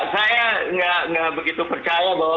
saya nggak begitu percaya bahwa